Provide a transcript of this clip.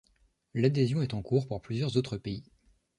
L'adhésion est en cours pour plusieurs autres pays.